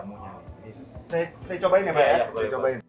masa ya sih jamu banget sih